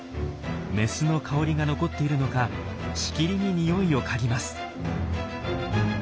メスの香りが残っているのかしきりに匂いを嗅ぎます。